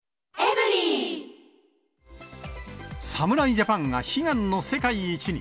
ジャパンが悲願の世界一に。